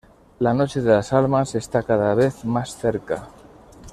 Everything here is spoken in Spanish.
La Noche de las Almas está cada vez más cerca.